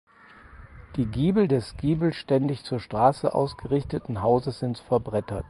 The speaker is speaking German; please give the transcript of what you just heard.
Die Giebel des giebelständig zur Straße ausgerichteten Hauses sind verbrettert.